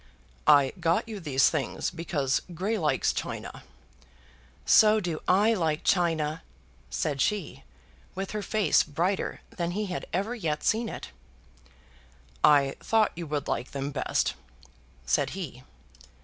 "I got you these things because Grey likes china." "So do I like china," said she, with her face brighter than he had ever yet seen it. "I thought you would like them best," said he.